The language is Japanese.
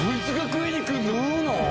食うの？